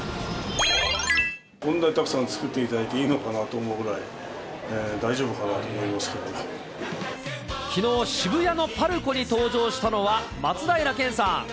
こんなにたくさん作っていただいていいのかなと思うぐらい、きのう、渋谷のＰＡＲＣＯに登場したのは、松平健さん。